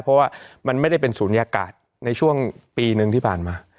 เพราะว่ามันไม่ได้เป็นศูนยากาศในช่วงปีหนึ่งที่ผ่านมา